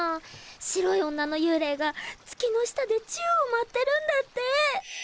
白い女の幽霊が月の下で宙を舞ってるんだって。